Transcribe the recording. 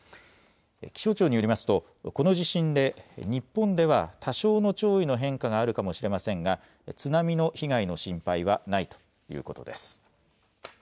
気象庁によりますとこの地震で日本では多少の潮位の変化があるかもしれませんが津波の被害の心配はないということです。